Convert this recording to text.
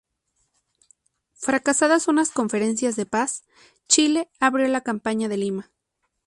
Fracasadas unas conferencias de paz, Chile abrió la campaña de Lima.